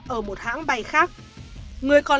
ở một hãng bay khác người còn